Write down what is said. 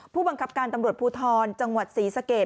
ผู้บังคับการตำรวจภูทรจังหวัดศรีสะเกด